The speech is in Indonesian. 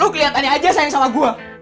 lu kelihatannya aja sayang sama gue